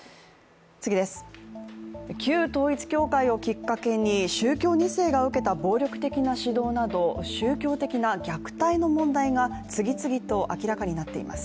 旧統一教会をきっかけに宗教２世が受けた暴力的な指導など宗教的な虐待の問題が次々と明らかになっています。